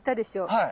はい。